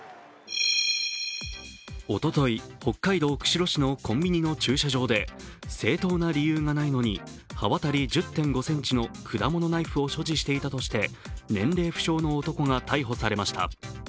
おととい、北海道釧路市のコンビニの駐車場で正当な理由がないのに、刃渡り１０．５ｃｍの果物ナイフを所持していたとして年齢不詳の男が逮捕されました。